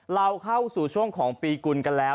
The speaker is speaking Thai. เราเข้าสู่ช่วงของปีกุลกันแล้ว